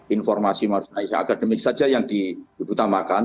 informasi marusnais agademik saja yang diutamakan